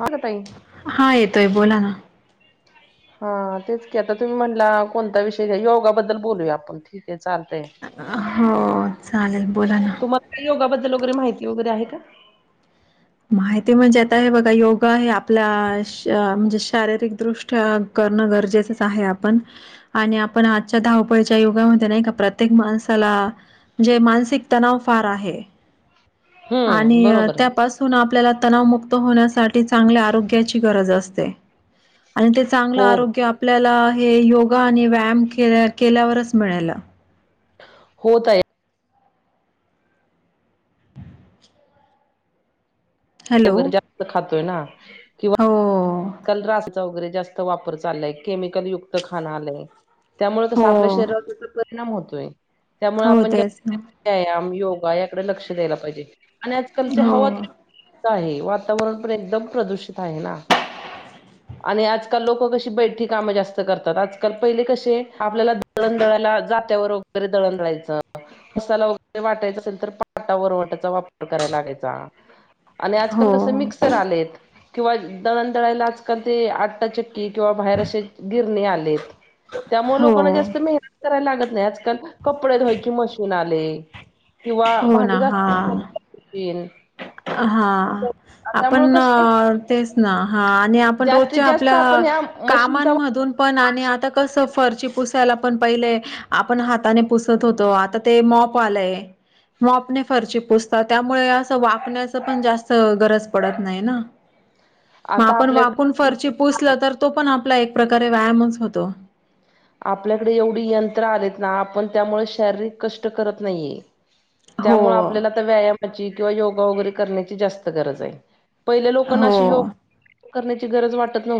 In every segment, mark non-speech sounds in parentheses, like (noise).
हा ना तई. हा येतोय बोला ना हा तेच की आता तुम्ही म्हटला कोणता विषय घ योगाबद्दल बोलूया आपण ठीक आहे, चालतंय. हो, चालेल बोला ना. तुम्हाला योगाबद्दल वगैरे माहिती वगैरे आहे का माहिती म्हणजे आता हे बघा योगा हे आपल्या म्हणजे शारीरिक दृष्टी करणं गरजेचंच आहे आपण आणि आपण आजच्या धावपळीच्या युगामध्ये नाही का प्रत्येक माणसाला म्हणजे मानसिक तणाव फार आहे हम्म आणि बरोबर आहे त्यापास ून आपल्याला तणावमुक्त होण्यासाठी चांगल्या आरोग्याची गरज असते. आणि ते चांगलं हो आरोग्य आपल्याला हे योगा आणि व्यायाम केल्या केल्यावरच मिळाल. होत आहे. हॅलो वगैरे जास्त खातोय ना. हो. कल्र. चौगरे जास्त वापर चाललाय केमिकल युक्त खान आलाय, त्या मूळ आपल्या हो शरिरावर तास परिणाम. परम होतोय त्यामुळे हो आपण तेच ना व्यायाम योगा याकडे लक्ष द्यायला पाहिजे. आणि आजकालची हो हवा आहे वातावरण पण एकदम प्रदूषित आहे ना. आणि आजकाल लोकं कशी बैठी कामं जास्त करतात आजकाल पहिले कसे आपल्याला. दळणदळायला जात्यावर वगैरे दळणदळायचं. मसाला वगैरे वाटायचा असेल तर पाटा वरवाटाचा वापर करायला लागायचा. आणि आजकाल हो कसे मिक्सर आलेत किंवा. तळायला आजकाल ते आटटाचक्की किंवा बाहेर असे गिरणे आलेत. त्यामुळे हो लोकांना जास्त मेहनत करायला लागत नाही आजकाल कपडे धुवायची मशीन आ किंवा हो ना भांडीग हा हा आपण कसे तेच ना. हा आणि आपण जास्तीत रोजच्या जास्त आपल्या आपण ह्या मशीनचा कामांमधून. पण वापर आणि आता कसं फरची पुसायला पण पहिले. आपण हाताने पुसत होतो आता ते मॉप आलंय. मपणे फरचे पुोसतात त्यामुळे. वापण्याच पण जास्त गरज पडत नाही ना. मग आता आपण वाकून आपल्याकडे फरची पुसल तर तो पण आपला एक प्रकारे व्यायामच होतो. आपल्याकडे एवढी यंत्र आलेत ना आपण त्यामुळे शारीरिक कष्ट करत नाहीये त्यामुळे हो आपल्याला आता व्यायामाची किंवा योगा वगैरे करण्याची जास्त गरज आहे पहिल्या लोकांनाशी हो योग ची ग वात न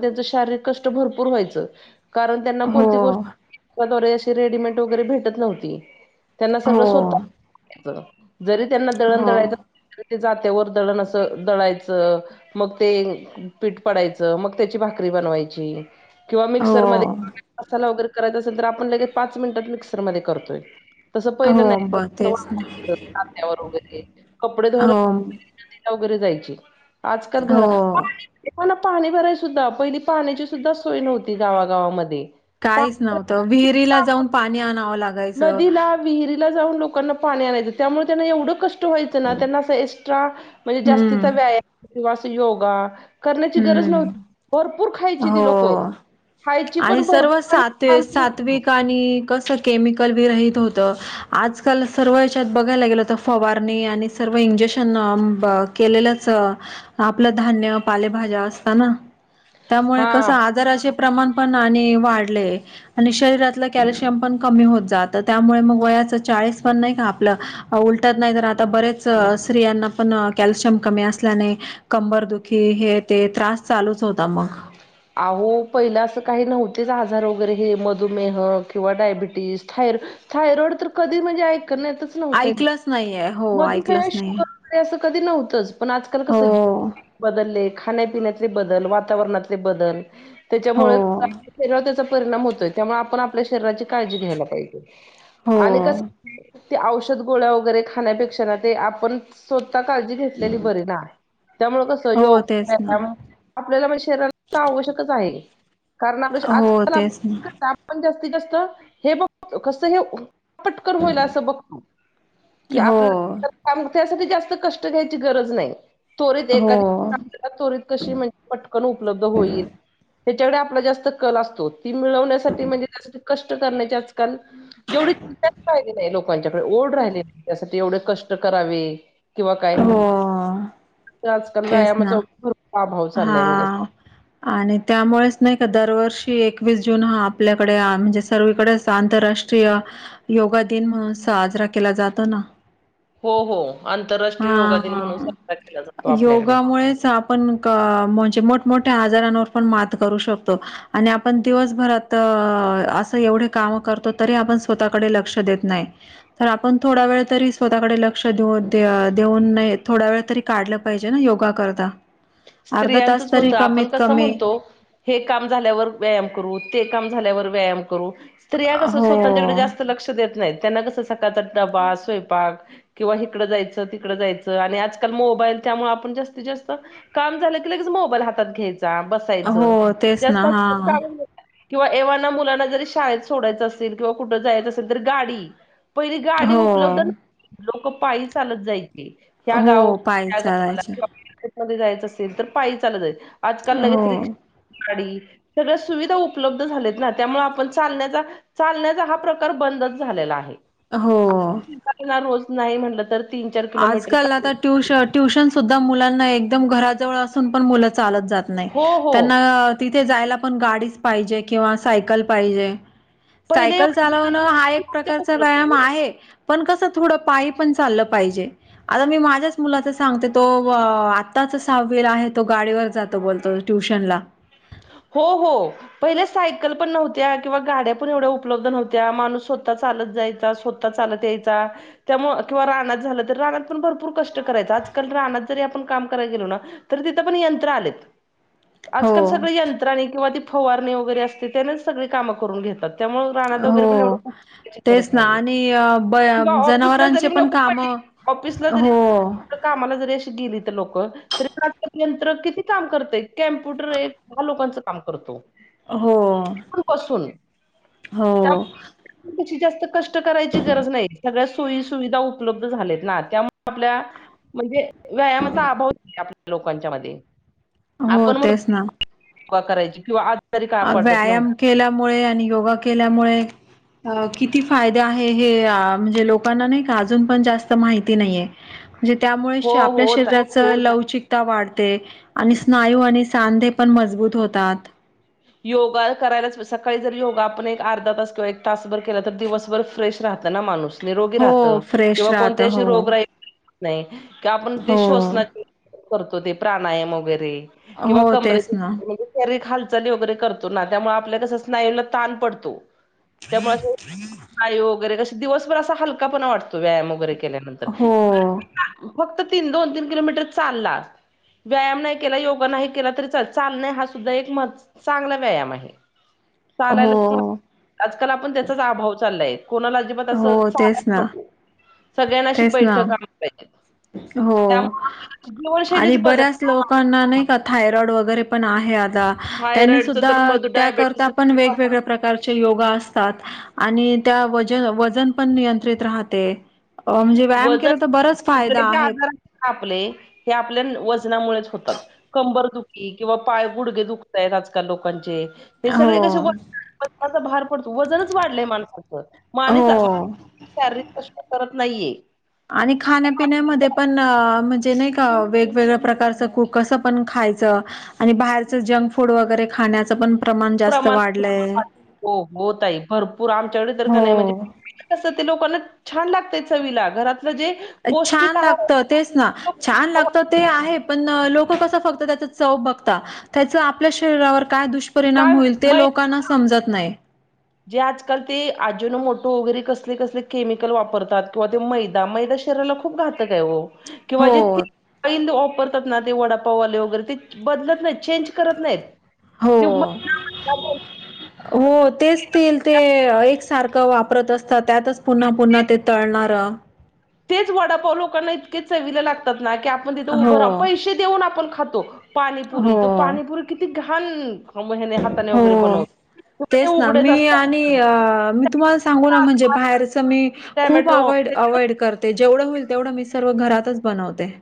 त्यां श क भरपूर व्हा. त्यांना कोणती हो गोष्टे अशी रेडीमेट वगैरे भेटत नव्हती त्यांना हो सगळं स्वत जरी त्यांना दळण हो दळायचं ते जात्यावर दळण असं दळायचं. मग ते पीठ पडायचं मग त्याची भाकरी बनवायची. किंवा मिक्सर हो मध्ये मसाला वगैरे करायचा असेल तर आपण लगेच पाच मिनिटात मिक्सर म करतोय. तसं हो पहिलं नाही ब तेच ना त्यावर वगैरे कपडे धुयला. हो वगैरे जायची आजकाल घरा. हो ना पाणी भरय सुद्धा पहिली पाण्याची सुद्धा सोय नव्हती गावागावामध्ये. पा काहीच नव्हतं विहिरीला जाऊन पाणी आणावं लागत. नदीला विहिरीला जाऊन लोकांना पाणी आणायचं त्यामुळे त्यांना एवढं कष्ट. ना ए्रा म्हणजे हम्म जाचा व्यायाम योगा. करण्याची गरज हम्म नव्हती भरपूर खायची ती लोकं. हो खायची आणि पण सर्व भरपूर सात आणि पण. सात्विक आणि कसं केमिकल बी राहित होत. आजकाल सर्व याच्यात बघायला गेलं होत फवारणी आणि सर्व इंजेक्शन. केलेलंच आपलं धान्य. पालेभाज्या असताना त्यामुळे हा कस आजाराचे प्रमाण पण आणि वाढले. आणि शरीरातलं कॅल्शियम पण कमी होत जातं त्यामुळे मग वयाचं चाळीस पण नाही का आपलं. उलटत नाही तर आता बरेच स्त्रियांना पण कॅल्शियम कमी असल्याने कंबर दूध. कि हे ते त्रास चालूच होता मग. अहो पहिला असं काही नव्हतेच आजार वगैरे हे मधुमेह किंवा डायबिटीस थायर. ाय रोड तर कधी म्हणजे ऐक नाही. ऐकलंच नाहीये. हो मधुमेह ऐकलंच श नाहीये असं कधी नव्हतंच पण आजकाल हो कसं ज बदलले. खाण्यापिण्यातले बदल वातावरणातले बदल हो त्याच्यामुळे शरीात त्याचा परिणाम होतोय. त्यामुळे आपण आपल्या शरीराची काळजी घ्यायला पाहिजे हो आणि कस. ते औषध गोळ्या वगैरे खाण्यापेक्षा ना ते आपण स्वतः काळजी घेत. ली बरी ना त्यामु कस हो तेच योगमुळे. ना आपल्याला म्हणजे शरीरा आवश्यकच आहे कारण आपल्या हो आजकाल आप तेच ना पण जास्तीत जास्त हे बघ कस हे पटकरन होईल असं बघत. कि हो आपल्या त्यासाठी जास्त कष्ट घ्यायची गरज नाही त्वरित हो एखादी. त्वरत कशी म्हणजे पटकन उपलब्ध होईल. त्याच्याकडे आपला जास्त कल असतो ती मिळवण्यासाठी म्हणजे त्यासाठी कष्ट करण्याच्या. जेवढी चि राहिली नाही लोकांच्याकडे ओढ राहिलेली नाही. त्यासाठी एवढे कष्ट करावे किंवा काय हो आजकाल तेच व्यायामाच. ना हा. आणि त्यामुळेच नाही का दरवर्षी एकवीस जून हा आपल्याकडे म्हणजे सर्वीकडेच. आंतरराष्ट्रीय योगा दिन म्हणून साजरा केला जातो ना. हो हो आंतरराष्ट्रीय हा योगा दिन म्हणून हा, साजरा केला जातो आपल्याकडे योगामुळेच आपण. अ म्हणजे मोठमोठ्या आजारांवर पण मात करू शकतो. आणि आपण दिवसभरात असं एवढे काम करतो तरी आपण स्वतःकडे लक्ष देत नाही. तर आपण थोडा वेळ तरी स्वतःकडे लक्ष देऊन देऊन नाही थोडा वेळ तरी. काढलं पाहिजे ना योगा करता. अर्धा तास स्त्रियांचच तरी होत कमीत आपण कसं कमी म्हणतो. हे काम झाल्यावर व्यायाम करू ते काम झाल्यावर व्यायाम करू. स्त्रिया कस हो. स्वतच्याकडे जास्त लक्ष देत नाही त्यांना कसं सका तर बा स्वयंपाक. किंवा इिकडं जायचं तिकडं जायचं आणि आजकाल मोबाईल त्यामुळे आपण जास्तीत जास्त. काम झालं की लगेच मोबाईल हातात घ्यायचा बसायचं हो तेच ना जास्त हां. काढ. किंवा एव्हाना मुलांना जरी शाळेत सोडायचं असेल किंवा कुठं जायचं असेल तर गाडी. पहिली गाडी हो. उपलब्ध लोक पायी चालत जायचे. ह्या हो गाव पायी गावाला. चालायचे. मध्ये जायचं असेल तर पायी चालत जा आहेल आजकाल लगेच हो. रिक्षा गाडी. सगळ्या सुविधा उपलब्ध झाल्यात ना त्यामुळे आपण चालण्याचा. चालण्याचा हा प्रकार बंदच झालेला आहे. हो. च नाही म्हटलं तर. तीन चार किलोमीटर आजकाल चाल आता ट्यूशन. ट्युशन सुद्धा मुलांना एकदम घराजवळ असून पण मुलं चालत जात नाही हो हो त्यांना. तिथे जायला पण गाडीच पाहिजे किंवा सायकल पाहिजे पहिले सायकल ला. हा एक एवढे प्रकारचा व्यायाम उपलब्ध आहे पण कस थोड पाय पण चाललं पाहिजे. आता मी माझ्याच मुलाच. सांगते तो आत्ताच सहावीला आहे तो गाडीवर जातो बोलतो ट्युशन ला. हो हो. पहिले सायकल पण नव्हत्या किंवा गाड्या पण एवढ्या उपलब्ध नव्हत्या माणूस स्वतः चालत जायचा. चालत यायचा. त्यामु किंवा राना झालं तरी राना पण भरपूर कष्ट करायचं आजकाल रानात जरी आपण काम कराला गेलो ना. तर तिथं पण यंत्र आलेत. हो आजकाल सगळ यंत्राणी किंवा ती फवारणी वगैरे असते त्यानेच सगळी कामं करून घेतात. त्यामुळे राणा वगरे हो पण एवढं खुप. तेच ना नाहीे आणि अ, ब किवा ऑफिसला जरी जनावरांचे पण नको काम पडे ऑफिसला जरी. हो कामाला जरी अशी गेली तर लोक तरी आजकाल यंत्र किती काम करतय कम्प्युटर एक. लोकांच काम करतो. हो. बसून. हो. कशी जास्त कष्ट करायची गरज नाही सगळ्या. सुख सुविधा उपलब्ध झाले त ना त्यामुळे आपल्या म्हणजे व्यायामाचा अभाव लोकांच्या मध्ये. हो आपण म्हणतो तेच ना करायची किंवा आजारी का पडत नव्हती व्यायाम केल्यामुळे आणि योगा केल्यामुळे अ किती फायदे आहे हे म्हणजे लोकांना नाही का अजून पण जास्त माहिती नाहीये म्हणजे त्यामुळे हो आपल्या हो शरीरात लवचिकता वाढते आणि स्नायू आणि सांधे पण मजबूत होतात. योगा करायलाच सकाळी जर योगा आपण एक अर्धा तास किंवा एक तासभर केला तर दिवसभर फ्रेश राहत ना माणूस निरोगी राहत हो फ्रेश किंवा राहत कोणते अशी हो रोग राही होत नाही किंवा आपण ते हो. शोसनाचे करतो ते प्राणायाम वगैरे किंवा हो कमरे तेच ना हालचाली वगैरे करतो ना त्यामुळे आपल्या कसं स्नायूला ताण पडतो त्यामुळे असं वायू वगैरे क दिवसभर असा हलकापणा वाटतो व्यायाम वगैरे केल्यानंतर हो फक्त तीन दोन तीन किलोमीटर चालला व्यायाम नाही केला योगा नाही केला तरी चालत चालणे हा सुद्धा एक महत्वाचे चांगला व्यायाम आहे हो. चालायला आजकाल आपण त्याचाच अभाव चाललाय कोणाला अजिबात हो असं तेच चालत ना नको सगळ्यांनाशी तेच ना बैठक आली पाहिजे हो त्यामुळे आपली आणि जीवनशैलीच बदल बऱ्याच लोकांना नाही थायड वगरे पण आहे आता त्यांनी थायरॉइडच सुद्धा तर मध त्या डायबेटीस पण वेगवेगळे प्रकार प्रकारचे योगा असतात आणि त्या वजन वजन पण नियंत्रित राहते अ, म्हणजे व्यायाम केला तर वजन बराच फायदा सगच्या आहे आधार आपले हे आपल्या वजनामुळेच होतात कंबर दुखी किंवा पाय गुडगे दुखताय आजकाल लोकांचे हे हो सगळे कसे वजना भार पडतो वजनच वाढलंय माणसाच हो माणस शारीरिक कष्ट करत नाहीये आणि खाण्यापिण्यामध्ये पण म्हणजे नाही का वेगवेगळ्या प्रकारचं कुकसं पण खायचं आणि बाहेरच जंक फूड वगैरे खाण्याचं पण जास्त प्रमाण वाढलंय हो होत आहे भरपूर आमच्याकडे तर नाही आहे म्हणजे हो तसं ते लोकांना छान लागतय चवीला घरातलं जे छान पौष्टिक आहार आहे, लागत तेच ना छान लोकांना खावं- लागतं ते आहे पण लोक कसं फक्त त्या चव बघता त्याचं आपल्या शरीरावर काय दुष्परिणाम दुष्परिणाम काय होईल ते मै लोकांना समजत नाही जे आजकाल ते आजून मोठं वगैरे कसले कसले केमिकल वापरतात किंवा ते मैदा मैदा शरीराला खूप घातक आहे किंवा जे हो. आईल वापरतात ना ते वडापावाले वगैरे ते बदलत नाहीत चेंज करत नाहीत. हो. ते हो तेच ते ते एक सारखं वापरत असतं. त्यातच पुन्हा पुन्हा ते तळणार तेच वडापाव लोकांना इतके चवीला लागतात ना की आपण तिथे उभं हो. राहा पैसे देऊन आपण खातो. पाणीपुरी हो. तो पाणीपुरी किती घाण ह्याने हाताने वगैरे हो. बनवतो. कुठे ते तेच ना उघडेच मी असतात आणि मी तुम्हाला सांगू ना म्हणजे बाहेरच मी खूप टॅमॅटो अवइड अवॉइड करते जेवढं होईल तेवढं मी सर्व घरातच बनवते.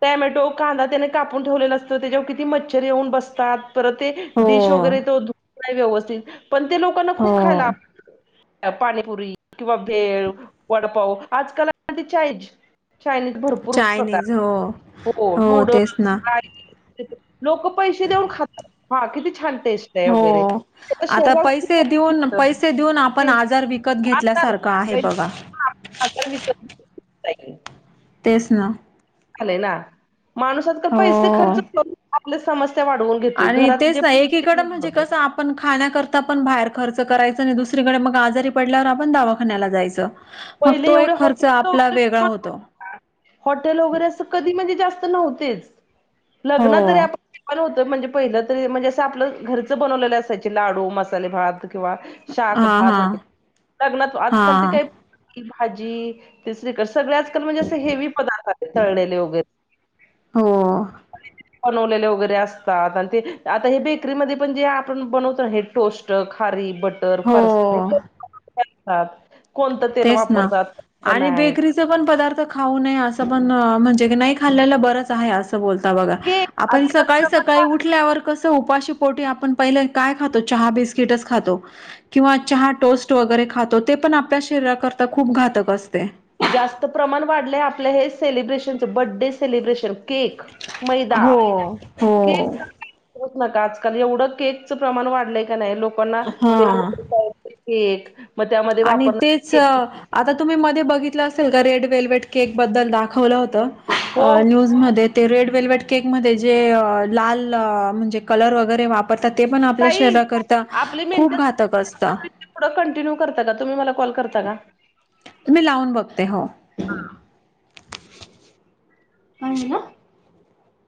टॅमॅटो कांदा त्याने कापून ठेवलेला असतो त्याच्यावर किती मच्छर येऊन बसतात. परत ते हो. डिश वगैरे त व्यवस्थित पण ते लोकांना खूप खायला हो. आवडत पाणीपुरी किंवा भेळ वडापाव आज काल चायनीज चायनीज भरपूर प्रकार चायनीज हो हो तेच नूडल्स ना राईस लोक पैसे देऊन खातात हा किती छान टेस्ट आहे हो वगैरे त्याच्या आता शरीरावर किती पैसे फरक देऊन पडतं पैसे देऊन आपण ते आजार विकत घेतल्यासारखं आहे बघा. आकार विकत तेच ना झाय ना माणूसात का पैसे खर्च हो करून आपल्या समस्या वाढवून. घेतोय आणि घरात तेच जे ना एकीकड म्हणजे कसं. आपण खाण्याकरता पण बाहेर खर्च करायचं, आणि दुसरीकडे मग आजारी पडल्यावर, आपण दवाखान्याला जायचं. मग पहिले तो एवढे एक खर्च आपला हॉटेल वेगळा होतो. हॉटेल वगैरे अस कधी म्हणजे जास्त नव्हतेच, लग्न जरी हो आपण पण होत म्हणजे पहिलं तरी म्हणजे असं आपलं घरचं बनवलेलं असायचे लाडू मसाले भात किंवा शाक हा भात हा वगैरे लग्नात आजकाल हा ते काही भाजी तिसरी सगळे आजकाल म्हणजे असे हेवी पदार्थ आहेत तळलेले वगैरे हो. बनवलेले वगैरे असतात आणि ते आता हे बेकरीमध्ये पण जे आपण बनवतो, हे टोस्ट खारी बट तर हो कोणतं तेल तेच ना वापरतात आणि नाही. बेकरीचे पण पदार्थ खाऊ नये असं पण म्हणजे क नाही खल्लं बरच आहे, अस. बोलता बागा केक आपण आजकाल सकाळी. सकाळी प्रमाण उठल्यावर कसं उपाशी पोटी आपण पहिले काय खातो चहा बिस्किटच खातो. किंवा चहा टोस्ट वगैरे खातो ते पण आपल्या शरीराकरता खूप घातक असते. जास्त प्रमाण वाढलंय आपल्या हे सेलिब्रेशनच बर्डे सेलिब्रेशन केक मैदा हो के हो हो नका आजकाल एवढं केक चं प्रमाण वाढलंय का नाही लोकांना हा केक. मग त्यामध्ये आणि वापरणार तेच केक. आता तुम्ही मध्ये बघितलं असेल का, रेड वेल्वेट केक बद्दल दाखवलं होतं. अ हो न्यूजमध्ये ते रेड वेल्वेट केक मध्ये जे लाल म्हणजे कलर वगैरे वापर आता ते पण आपल्या ताई शरीराकरता आपली खूप मिनटं घातक असत. पुढं कंटिन्यू करता का तुम्ही मला कॉल करता का मी लावून बघते हो. (inaudible)